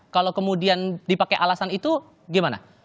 kalau kemudian dipakai alasan itu gimana